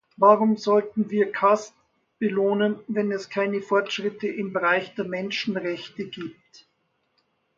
Warum sollten wir Castbelohnen, wenn es keine Fortschritte im Bereich der Menschenrechte gibt?